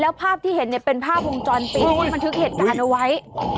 ภาพที่เห็นเนี่ยเป็นภาพวงจรปิดที่บันทึกเหตุการณ์เอาไว้